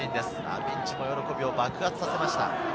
ピッチも喜びを爆発させました。